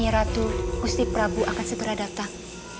nyai ratu gusti prabu akan segera datang